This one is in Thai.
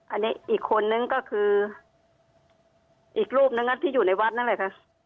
อันนี้อีกคนนึงก็คืออีกรูปนึงที่อยู่ในวัดนั่นแหละค่ะ